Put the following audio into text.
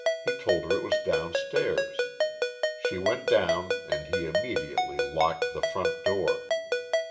He told her it was down stairs. She went down and he immediately locked the front door.